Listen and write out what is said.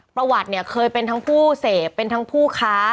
ประวัติเนี่ยเคยเป็นทั้งผู้เสพเป็นทั้งผู้ค้า